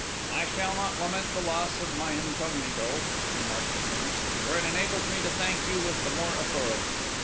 "I shall not lament the loss of my incognito," remarked the Prince, "for it enables me to thank you with the more authority.